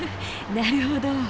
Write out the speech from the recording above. なるほど。